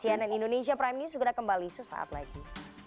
sampai jumpa di cnn indonesia prime news segera kembali sesaat lagi